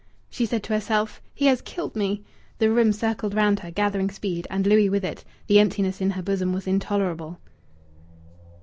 She said to herself, "He has killed me!" The room circled round her, gathering speed, and Louis with it. The emptiness in her bosom was intolerable.